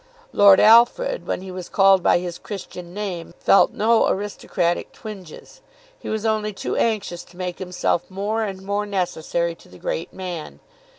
Lord Alfred when he was called by his Christian name felt no aristocratic twinges. He was only too anxious to make himself more and more necessary to the great man.